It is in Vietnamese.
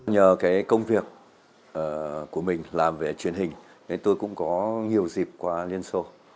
nhờ cái công việc của mình làm về truyền hình tôi cũng có nhiều dịp qua liên xô